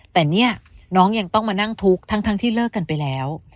แต่เนี่ยน้องยังต้องมานั่งทุกข์ทั้งที่เลิกกันไปแล้ว